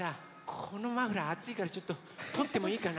このマフラーあついからちょっととってもいいかな？